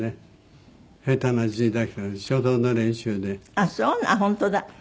あっ本当だ。